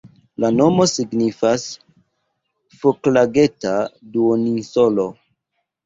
La nomo signifas "Foklageta-duoninsolo".